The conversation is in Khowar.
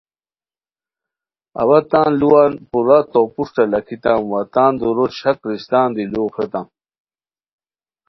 اوا تان ُ لووان پورا تو پروشٹہ لاکھیتام وا تان دُورو شک رشتان دی ُلوؤ پھریتام